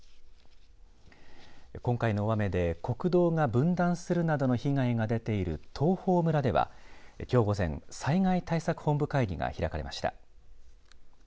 今回の大雨で国道が分断するなどの被害が出ている東峰村ではきょう午前、災害対策本部会議が開かれました。